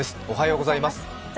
おはようございます。